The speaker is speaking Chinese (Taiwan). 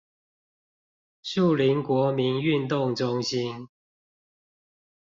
樹林國民運動中心